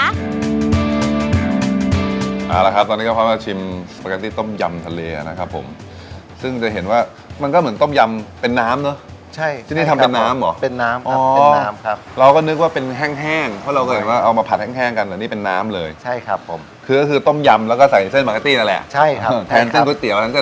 เอาละครับตอนนี้ก็พอมาชิมสปาเกตตี้ต้มยำทะเลนะครับผมซึ่งจะเห็นว่ามันก็เหมือนต้มยำเป็นน้ำเนอะใช่ที่นี่ทำเป็นน้ำเหรอเป็นน้ำอ๋อเป็นน้ำครับเราก็นึกว่าเป็นแห้งแห้งเพราะเราก็เห็นว่าเอามาผัดแห้งแห้งกันแต่นี่เป็นน้ำเลยใช่ครับผมคือก็คือต้มยำแล้วก็ใส่เส้นปาเกตตี้นั่นแหละใช่ครับแทนเส้นก๋วอัน